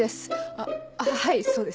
あっはいそうです。